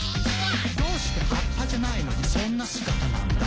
「どうして葉っぱじゃないのにそんな姿なんだ？」